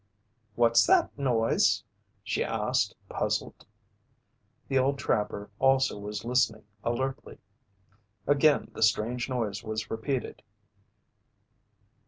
"What's that noise?" she asked, puzzled. The old trapper also was listening alertly. Again the strange noise was repeated.